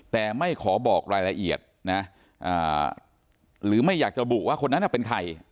แต่ไม่ขอบอกรายละเอียดนะหรือไม่อยากจะบุว่าคนนั้นเป็นใคร